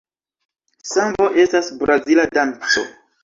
Sambo estas brazila danco.